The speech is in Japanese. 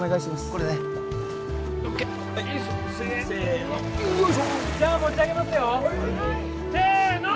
これねＯＫせーのせーのよいしょじゃあ持ち上げますよせーの！